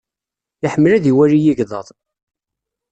Iḥemmel ad iwali igḍaḍ.